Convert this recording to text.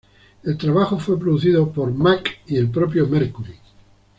El trabajo fue producido por Mack y el propio Mercury.